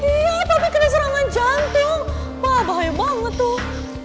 iya papi kena serangan jantung wah bahaya banget tuh